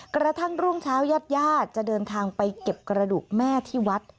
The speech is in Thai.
กระทั่งรุ่งเช้าญาติญาติจะเดินทางไปเก็บกระดูกแม่ที่วัด